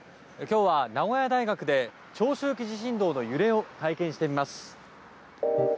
今日は名古屋大学で長周期地震動の揺れを体験してみます。